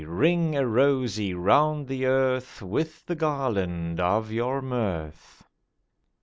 Ring a rosy round the earth With the garland of your mirth.